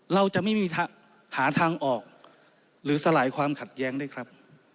เราจะไม่มีหาทางออกหรือสลายความขัดแย้งด้วยครับ